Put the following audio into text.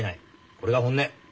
これが本音。